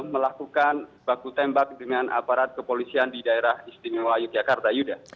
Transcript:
melakukan baku tembak dengan aparat kepolisian di daerah istimewa yogyakarta yuda